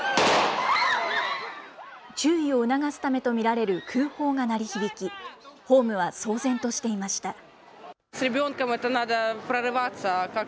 注意を促すためとみられる空砲が鳴り響きホームは騒然としていました。